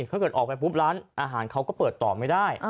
ถ้าเกิดออกไปปุ๊บร้านอาหารเขาก็เปิดต่อไม่ได้